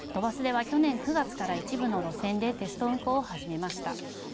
都バスでは去年９月から一部の路線でテスト運行を始めました。